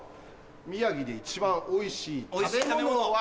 宮城で１番おいしい食べ物は。